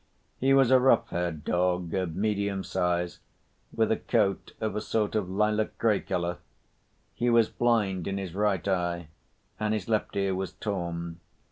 He was a rough‐haired dog, of medium size, with a coat of a sort of lilac‐ gray color. He was blind in his right eye, and his left ear was torn.